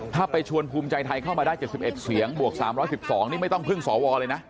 ถ้าไปชวนภูมิใจไทยเข้ามาได้๗๑เสียงบวก๓๑๒นี่ไม่ต้องพึ่งสวเลยนะ